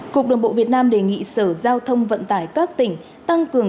cục đường bộ việt nam đề nghị sở giao thông vận tải các tỉnh tăng cường